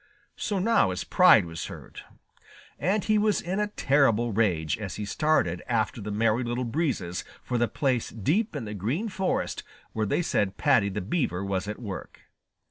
So now his pride was hurt, and he was in a terrible rage as he started after the Merry Little Breezes for the place deep in the Green Forest where they said Paddy the Beaver was at work.